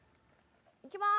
いきます。